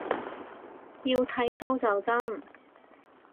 要剃鬚就真